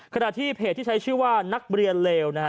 ขณะที่เพจที่ใช้ชื่อว่านักเรียนเลวนะฮะ